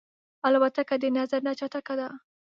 الوتکه د نظر نه چټکه ده.